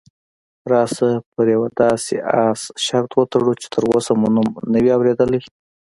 راشه پر یوه داسې اس شرط وتړو چې تراوسه مو نوم نه وي اورېدلی.